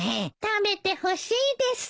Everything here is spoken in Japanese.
食べてほしいです。